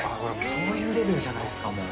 そういうレベルじゃないですか、もう。